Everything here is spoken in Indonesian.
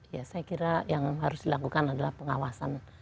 ya saya kira yang harus dilakukan adalah pengawasan